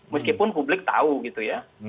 meskipun publik tahu gitu ya